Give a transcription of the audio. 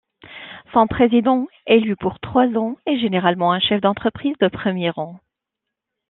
Son président, élu pour trois ans, est généralement un chef d’entreprise de premier rang.